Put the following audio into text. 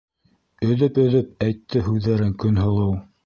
Өҙөп-өҙөп әйтте һүҙҙәрен Көнһылыу.